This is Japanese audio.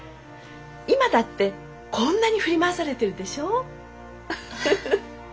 今だってこんなに振り回されてるでしょ？